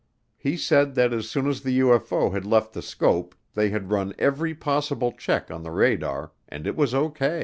He said that as soon as the UFO had left the scope they had run every possible check on the radar and it was O.